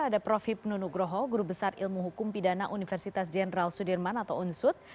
ada prof hipnu nugroho guru besar ilmu hukum pidana universitas jenderal sudirman atau unsud